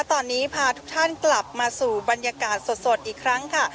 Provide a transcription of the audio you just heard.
ตอนนี้พาทุกท่านกลับมาสู่บรรยากาศสดอีกครั้งค่ะ